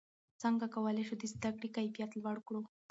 څنګه کولای شو د زده کړې کیفیت لوړ کړو؟